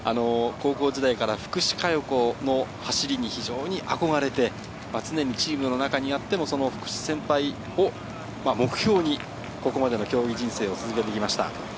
高校時代から福士加代子の走りに非常に憧れて常にチームの中にあっても福祉先輩を目標にここまでの競技人生を続けてきました。